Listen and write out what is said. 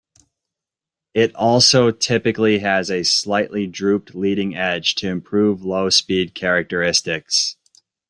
It also typically has a slightly drooped leading edge to improve low-speed characteristics.